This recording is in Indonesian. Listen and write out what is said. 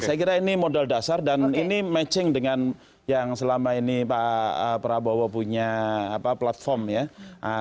saya kira ini modal dasar dan ini matching dengan yang selama ini pak prabowo punya platform ya